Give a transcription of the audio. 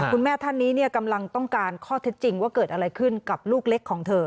คุณแม่ท่านนี้กำลังต้องการข้อเท็จจริงว่าเกิดอะไรขึ้นกับลูกเล็กของเธอ